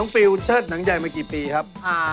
๕ปีนะครับ